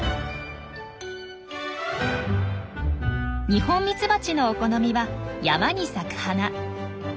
ニホンミツバチのお好みは山に咲く花。